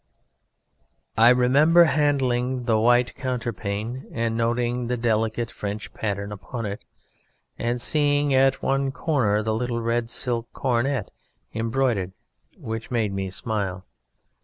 "I remember handling the white counterpane and noting the delicate French pattern upon it, and seeing at one corner the little red silk coronet embroidered, which made me smile.